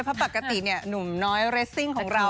เพราะปกติหนุ่มน้อยเรสซิ่งของเรา